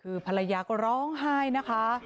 คือภรรยาก็ร้องไห้นะคะ